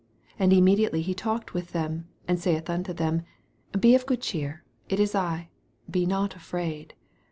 And immediately he talked with them, and saith unto them, Be of good cheer: it is I ; be not afraid.